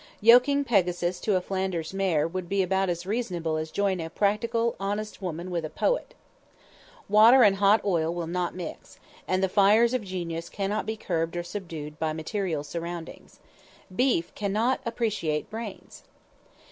Yoking Pegasus to a Flanders mare would be about as reasonable as joining a practical, honest woman with a poet! Water and hot oil will not mix, and the fires of genius cannot be curbed or subdued by material surroundings. Beef cannot appreciate brains!